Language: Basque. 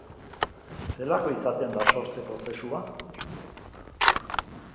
Zelako izaten da sortze prozesua?